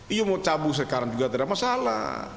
iyo mau cabut sekarang juga tidak ada masalah